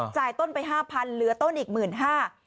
จ่ายต้นไปห้าพันเหลือต้นอีกหมื่นห้า